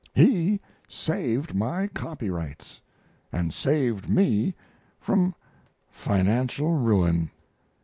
He saved my copyrights, and saved me from financial ruin.